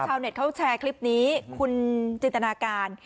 ชาวเน็ตเขาแชร์คลิปนี้คุณจินตนาการ